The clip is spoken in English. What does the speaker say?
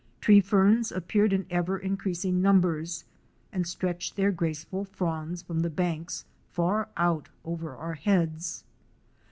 Tree ferns appeared in ever increasing numbers and stretched their graceful fronds from the banks far out over our heads.